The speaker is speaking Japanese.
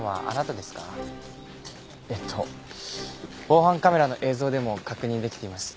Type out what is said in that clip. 防犯カメラの映像でも確認できています。